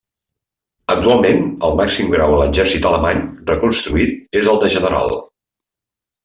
Actualment, el màxim grau a l'exèrcit alemany reconstituït és el de general.